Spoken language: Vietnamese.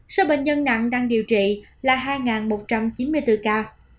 số bệnh nhân nặng đang điều trị là hai một trăm chín mươi bốn ca